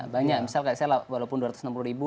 banyak misalnya walaupun dua ratus enam puluh ribu